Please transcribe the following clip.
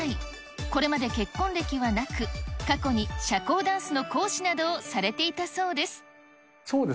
これまで結婚歴はなく、過去に社交ダンスの講師などをされていたそうです。